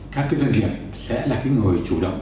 các doanh nghiệp sẽ là người chủ động